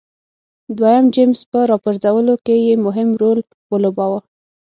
دویم جېمز په راپرځولو کې یې مهم رول ولوباوه.